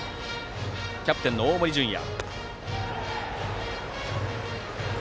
キャプテンの大森准弥。